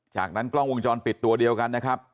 จากนั้นกล้องวงจรปิดตัวเดียวกันนะครับ